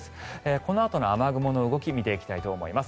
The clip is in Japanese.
このあとの雨雲の動きを見ていきます。